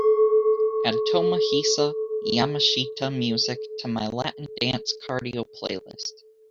Add tomohisa yamashita music to my Latin Dance Cardio playlist